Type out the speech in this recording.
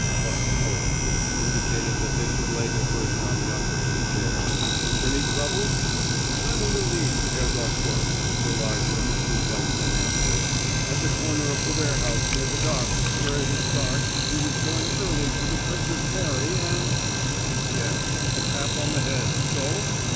clucked Koch, indicating that they should lay their burden on the operating chair. "Any trouble?" "None in the least, Herr Doktor," the larger of the two white men answered. "At the corner of the warehouse near the docks, where it is dark he was going early to the Princess Mary, and " "Yes, a tap on the head so?"